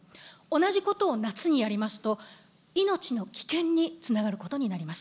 同じことを夏にやりますと、命の危険につながることになります。